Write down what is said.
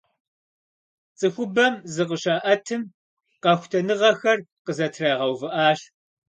Цӏыхубэм зыкъыщаӀэтым, къэхутэныгъэхэр къызэтрагъэувыӀащ.